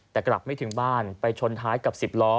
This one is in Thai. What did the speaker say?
แต่กลับไม่ถึงบ้านไปชนท้ายกับ๑๐ล้อ